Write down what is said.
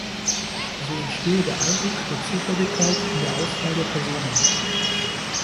So entstehe der Eindruck der Zufälligkeit in der Auswahl der Personen.